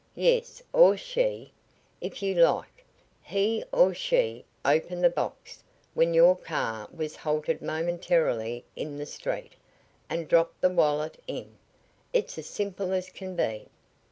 "Yes, or she, if you like he or she opened the box when your car was halted momentarily in the street, and dropped the wallet in. It's as simple as can be."